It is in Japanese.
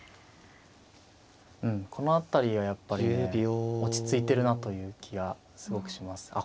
うんこの辺りがやっぱりね落ち着いてるなという気がすごくします。